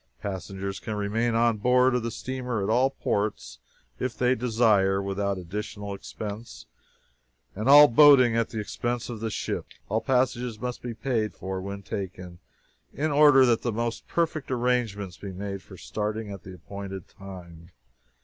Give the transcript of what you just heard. Passengers can remain on board of the steamer, at all ports, if they desire, without additional expense, and all boating at the expense of the ship. All passages must be paid for when taken, in order that the most perfect arrangements be made for starting at the appointed time.